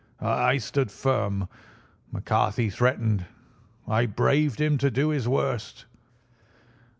I stood firm. McCarthy threatened. I braved him to do his worst.